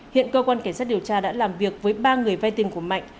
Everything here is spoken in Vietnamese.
hiện cơ quan cảnh sát điều tra đã làm việc với ba người vai tiền của mạnh